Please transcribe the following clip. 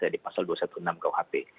dari pasal dua ratus enam belas kuhp